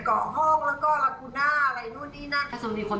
เกาะห้องแล้วก็ลากูน่าอะไรนู่นนี่นั่น